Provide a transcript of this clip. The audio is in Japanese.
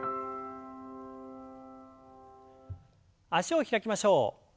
脚を開きましょう。